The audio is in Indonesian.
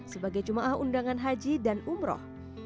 sebagai jemaah undangan haji dan umroh